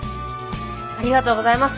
ありがとうございます。